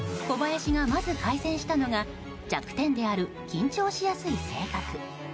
小林が、まず改善したのが弱点である緊張しやすい性格。